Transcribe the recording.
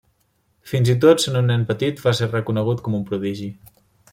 Fins i tot sent un nen petit, va ser reconegut com un prodigi.